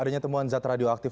adanya temuan zat radioaktif